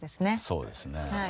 そうですね。